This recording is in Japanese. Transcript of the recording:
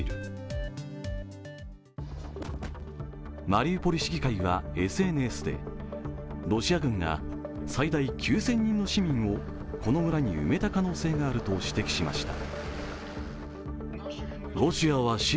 マリウポリ市議会はＳＮＳでロシア軍が最大９０００人の市民をこの村に埋めた可能性があると指摘しました。